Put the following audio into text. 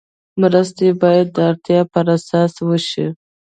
مرستې باید د اړتیا پر اساس وشي.